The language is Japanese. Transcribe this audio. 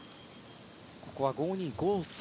ここは５２５３。